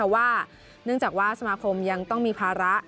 ว่าเนื่องจากว่าสมาคมยังต้องมีภาระ